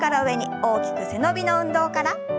大きく背伸びの運動から。